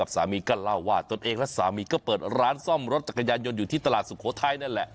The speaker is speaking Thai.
สามีก็เล่าว่าตนเองและสามีก็เปิดร้านซ่อมรถจักรยานยนต์อยู่ที่ตลาดสุโขทัยนั่นแหละ